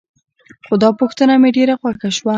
خو دا پوښتنه مې ډېره خوښه شوه.